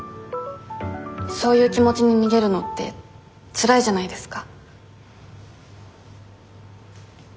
そういう気持ちに逃げるのってつらいじゃないですか。